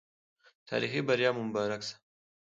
تاريخي بریا مو مبارک سه